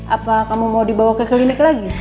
apa kamu mau dibawa ke klinik lagi